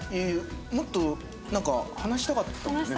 もっと話したかったもんね。